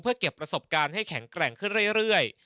เก็บประสบการณ์ให้แข็งแกร่งขึ้นเรื่อย